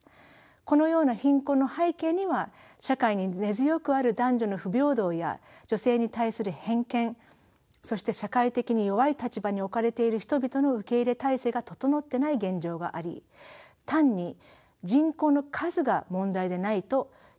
このような貧困の背景には社会に根強くある男女の不平等や女性に対する偏見そして社会的に弱い立場に置かれている人々の受け入れ体制が整ってない現状があり単に人口の数が問題でないと理解することが重要です。